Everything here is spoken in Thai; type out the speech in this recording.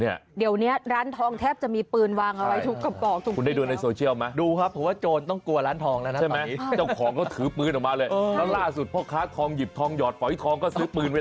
เดี๋ยวนี้ร้านทองแทบจะมีปืนวางเอาไว้ทุกกระบอก